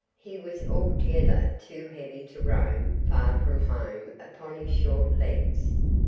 He was altogether too heavy to roam far from home upon his short legs.